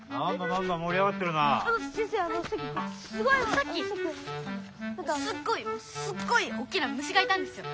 さっきすっごいすっごいおっきな虫がいたんですよ。